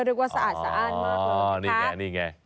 เรียกว่าสะอาดสะอ้านมากเลยนะคะ